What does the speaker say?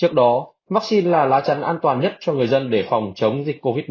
trước đó vaccine là lá chắn an toàn nhất cho người dân để phòng chống dịch covid một mươi chín